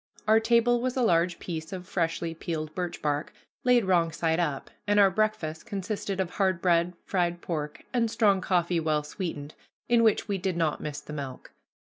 Our table was a large piece of freshly peeled birch bark, laid wrong side up, and our breakfast consisted of hard bread, fried pork, and strong coffee well sweetened, in which we did not miss the milk.